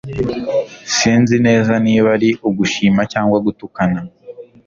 Sinzi neza niba ari ugushima cyangwa gutukana